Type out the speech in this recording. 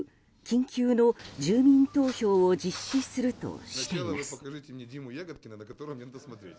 緊急の住民投票を実施するとしています。